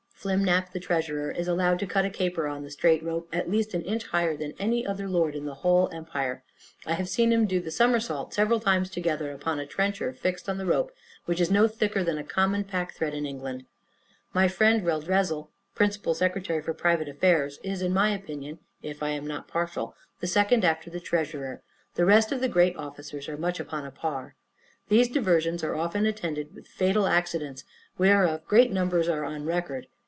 Flimnap, the treasurer, is allowed to cut a caper on the strait rope at least an inch higher than any other lord in the whole empire. I have seen him do the somerset several times together, upon a trencher fixed on the rope, which is no thicker than a common packthread in England. My friend Reldresal, principal secretary for private affairs, is, in my opinion, if I am not partial, the second after the treasurer; the rest of the great officers are much upon a par. These diversions are often attended with fatal accidents, whereof great numbers are on record.